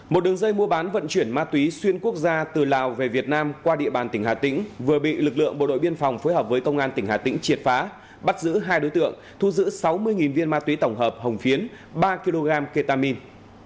một đường dây mua bán vận chuyển ma túy xuyên quốc gia từ lào về việt nam qua địa bàn tỉnh hà tĩnh vừa bị lực lượng bộ đội biên phòng phối hợp với công an tỉnh hà tĩnh triệt phá bắt giữ hai đối tượng thu giữ sáu mươi viên ma túy tổng hợp hồng phiến ba kg ketamin